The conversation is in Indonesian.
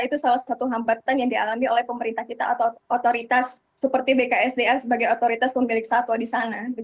itu salah satu hambatan yang dialami oleh pemerintah kita atau otoritas seperti bksda sebagai otoritas pemilik satwa di sana